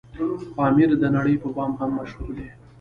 پامير دنړۍ په بام هم مشهور دی